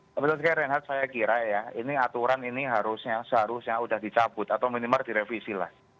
sebetulnya renhard saya kira ya ini aturan ini seharusnya sudah dicabut atau minimal direvisilah